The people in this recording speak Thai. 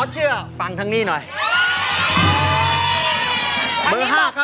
ถ้ายังไม่มั่นใจค่ะ